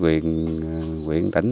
với nguyện tỉnh